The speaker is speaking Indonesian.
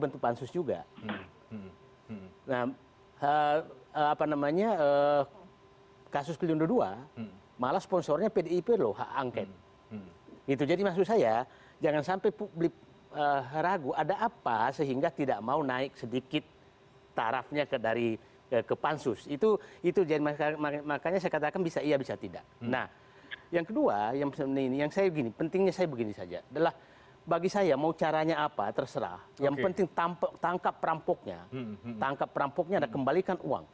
tangkap perampoknya ada kembalikan uang